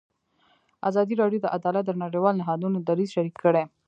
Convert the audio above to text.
ازادي راډیو د عدالت د نړیوالو نهادونو دریځ شریک کړی.